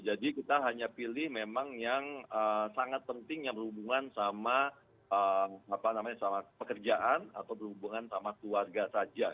jadi kita hanya pilih memang yang sangat penting yang berhubungan sama pekerjaan atau berhubungan sama keluarga saja